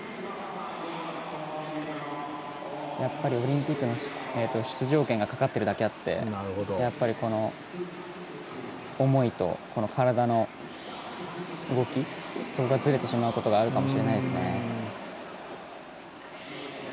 やっぱり、オリンピックの出場権がかかっているだけあって思いと体の動きそれがずれてしまうことがあるかもしれないですね。